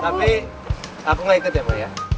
tapi aku gak ikut ya pak